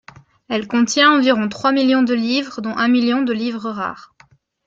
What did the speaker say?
Elle contient environ trois millions de livres dont un million de livres rares.